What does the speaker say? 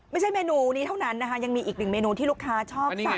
เมนูนี้เท่านั้นนะคะยังมีอีกหนึ่งเมนูที่ลูกค้าชอบสั่ง